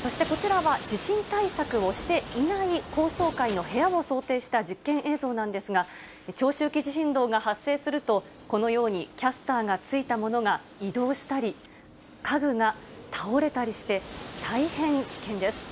そしてこちらは、地震対策をしていない高層階の部屋を想定した実験映像なんですが、長周期地震動が発生すると、このように、キャスターがついたものが移動したり、家具が倒れたりして、大変危険です。